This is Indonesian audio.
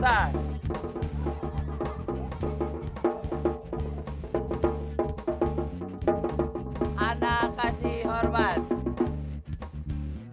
ya allah ini kagak apa apa sih gak percaya sih ini